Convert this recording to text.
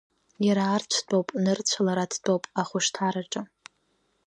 Иара аарцә дтәоуп, нырцә лара дтәоуп ахәшҭаараҿы.